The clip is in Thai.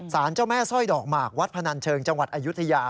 เจ้าแม่สร้อยดอกหมากวัดพนันเชิงจังหวัดอายุทยา